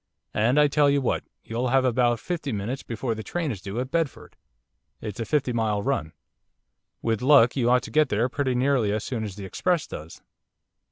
And I tell you what, you'll have about fifty minutes before the train is due at Bedford. It's a fifty mile run. With luck you ought to get there pretty nearly as soon as the express does.